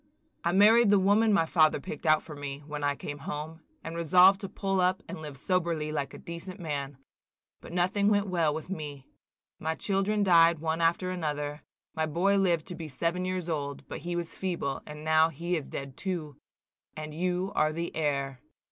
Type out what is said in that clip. "I married the woman my father picked out for me, when I came home, and resolved to pull up and live soberly like a decent man. But nothing went well with me. My children died one after another; my boy lived to be seven years old, but he was feeble, and now he is dead too, and you are the heir.